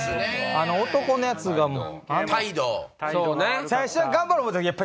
あの男のヤツがもう。